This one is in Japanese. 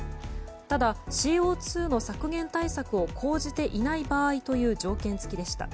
ただ、ＣＯ２の削減対策を講じていない場合という条件付きでした。